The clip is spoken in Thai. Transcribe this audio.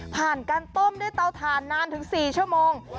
การต้มด้วยเตาถ่านนานถึง๔ชั่วโมง